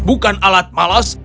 bukan alat malas